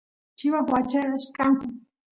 chivas wachachkanku